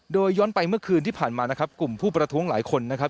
โดยย้อนไปเมื่อคืนที่ผ่านมานะครับกลุ่มผู้ประท้วงหลายคนนะครับ